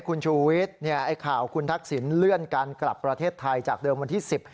คุณชูวิทย์ข่าวคุณทักษิณเลื่อนการกลับประเทศไทยจากเดิมวันที่๑๐